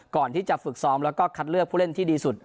ก่อนที่จะฝึกซ้อมแล้วก็คัดเลือกผู้เล่นที่ดีสุด